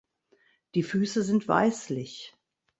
Die Füße sind weißlich.